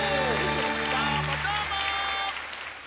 どーもどーも！